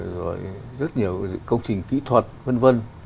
rồi rất nhiều công trình kỹ thuật v v